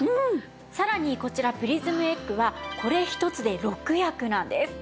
さらにこちらプリズムエッグはこれ１つで６役なんです。